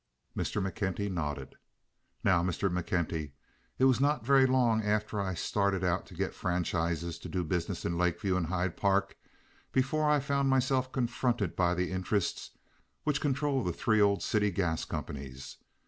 Mr. McKenty nodded. "Now, Mr. McKenty, it was not very long after I started out to get franchises to do business in Lake View and Hyde Park before I found myself confronted by the interests which control the three old city gas companies.